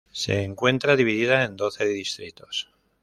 Se encuentra dividida en doce distritos.